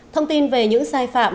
thông tin về những sai phạm